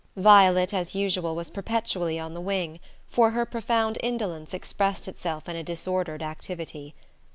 Violet, as usual, was perpetually on the wing, for her profound indolence expressed itself in a disordered activity.